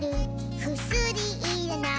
「くすりいらない」